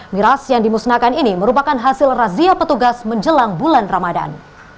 miras yang dimusnahkan ini merupakan hasil razia petugas menjelang bulan ramadan